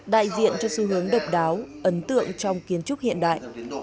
đại diện cho xu hướng độc đáo ấn tượng trong kiến trúc hiện đại